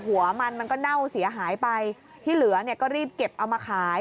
หัวมันมันก็เน่าเสียหายไปที่เหลือเนี่ยก็รีบเก็บเอามาขาย